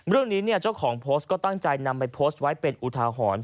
เรื่องนี้เจ้าของโพสต์ก็ตั้งใจนำไปโพสต์ไว้เป็นอุทาหรณ์